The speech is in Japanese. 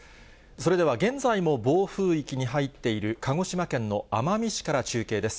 それでは現在も暴風域に入っている、鹿児島県の奄美市から中継です。